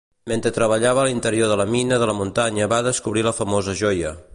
Mentre treballava a l'interior de la mina de la muntanya va descobrir la famosa joia.